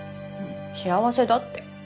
幸せだって。